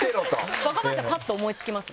若林さんパっと思い付きます？